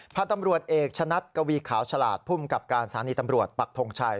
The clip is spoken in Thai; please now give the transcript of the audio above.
พระตำรวจเอกชะนัดกวีขาวฉลาดพุ่มกับการสารณีตำรวจปักทงชัย